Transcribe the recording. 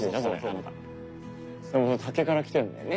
竹からきてるんだよね。